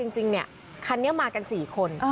จริงคันนี้มากัน๔คน